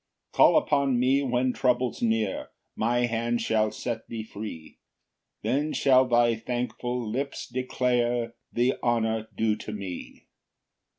3 "Call upon me when trouble's near, "My hand shall set thee free; "Then shall thy thankful lips declare "The honour due to me.